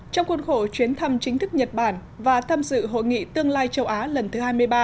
trong khuôn khổ chuyến thăm chính thức nhật bản và tham dự hội nghị tương lai châu á lần thứ hai mươi ba